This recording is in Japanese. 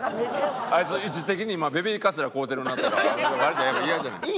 あいつ位置的に今ベビーカステラ買うてるなとかバレたらイヤじゃないですか。